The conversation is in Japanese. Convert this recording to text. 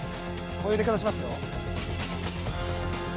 こういう出方しますよ